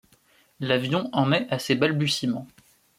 L’avion en est à ses balbutiements.